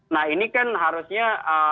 nah ini kan harusnya